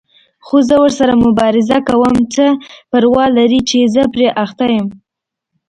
خو زه ورسره مبارزه کوم، څه پروا لري چې زه پرې اخته یم.